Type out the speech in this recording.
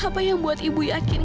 apa yang buat ibu yakin